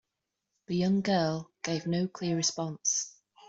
The young girl gave no clear response.